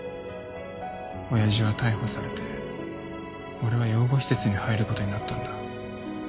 親父は逮捕されて俺は養護施設に入ることになったんだ。